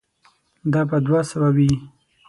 دا به دوه سوه وي.